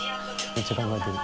めっちゃ考えてる。